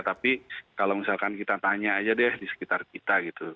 tapi kalau misalkan kita tanya aja deh di sekitar kita gitu